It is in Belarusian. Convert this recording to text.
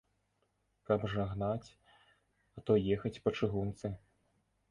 Каб жа гнаць, а то ехаць па чыгунцы.